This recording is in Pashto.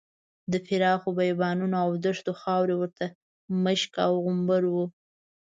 د پراخو بیابانونو او دښتونو خاورې ورته مشک او عنبر وو.